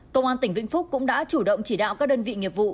công an tỉnh vĩnh phúc cũng đã chủ động chỉ đạo các đơn vị nghiệp vụ